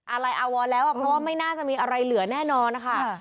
อะไรอาวรแล้วเพราะว่าไม่น่าจะมีอะไรเหลือแน่นอนนะคะ